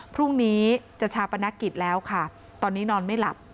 พรุ่งนี้จะชาปนกิจแล้วค่ะตอนนี้นอนไม่หลับ